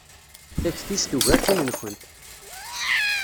Takti-s tugar tin-nkent.